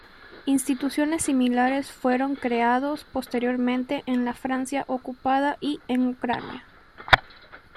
Instituciones similares fueron creados posteriormente en la Francia ocupada y en Ucrania.